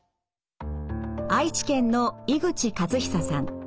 愛知県の井口和久さん。